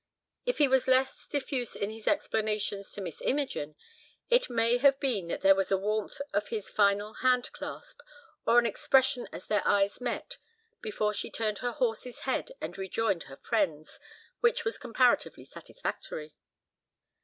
If he was less diffuse in his explanations to Miss Imogen, it may have been that there was a warmth of his final hand clasp, or an expression as their eyes met, before she turned her horse's head and rejoined her friends, which was comparatively satisfactory.